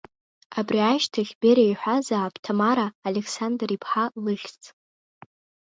Абри ашьҭахь Бериа иҳәазаап Ҭамара Александр-иԥҳа лыхьӡ.